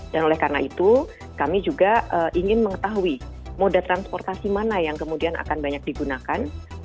dan oleh karena itu kami juga ingin mengetahui moda transportasi mana yang kemudian akan banyak digunakan